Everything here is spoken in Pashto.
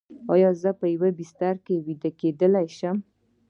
ایا زه په یوه بستر ویده کیدی شم؟